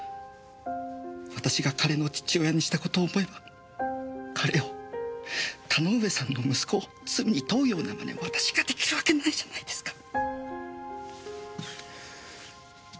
私が彼の父親にした事を思えば彼を田ノ上さんの息子を罪に問うような真似私ができるわけないじゃないですか。